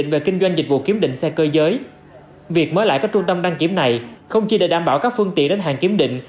việc mới lại các trung tâm đăng kiểm này không chỉ để đảm bảo các phương tiện đến hàng kiểm định